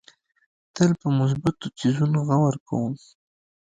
تل په مثبتو څیزونو غور کوم.